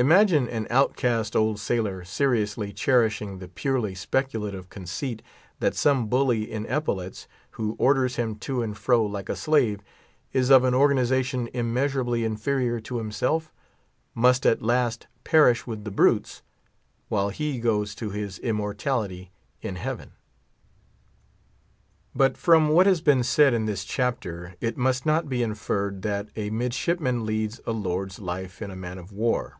Imagine an outcast old sailor seriously cherishing the purely speculative conceit that some bully in epaulets, who orders him to and fro like a slave, is of an organization immeasurably inferior to himself; must at last perish with the brutes, while he goes to his immortality in heaven. But from what has been said in this chapter, it must not be inferred that a midshipman leads a lord's life in a man of war.